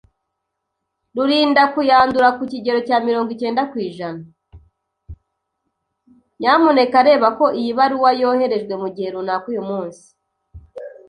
Nyamuneka reba ko iyi baruwa yoherejwe mugihe runaka uyumunsi.